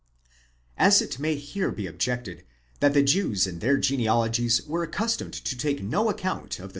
1® As it may here be objected, that the Jews in their genealogies were accustomed to take no account of the 8.